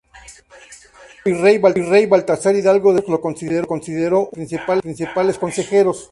El nuevo virrey, Baltasar Hidalgo de Cisneros, lo consideró uno de sus principales consejeros.